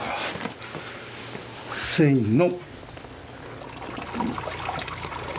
せの。